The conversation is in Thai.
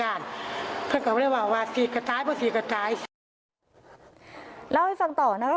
แล้วมาฟังต่อนะ